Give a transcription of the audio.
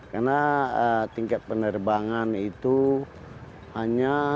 karena tingkat penerbangan itu hanya